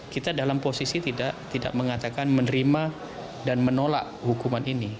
kita dalam posisi tidak mengatakan menerima dan menolak hukuman ini